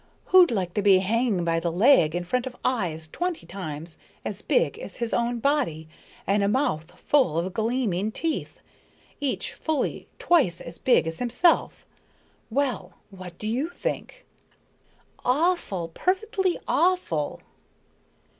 Who'd like to be hanging by the leg in front of eyes twenty times as big as his own body and a mouth full of gleaming teeth, each fully twice as big as himself? Well, what do you think?" "Awful! Perfectly awful!"